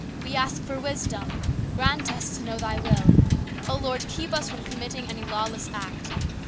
W T e ask for wisdom. Grant us to know Thy will. O Lord, keep us from committing any lawless act.